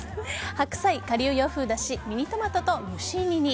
白菜、顆粒洋風だしミニトマトと蒸し煮に。